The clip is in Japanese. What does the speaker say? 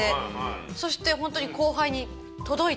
そしてホントに後輩に届いて。